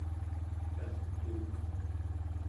pal'tuuk